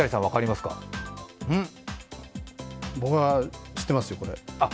僕は知ってますよ、これ。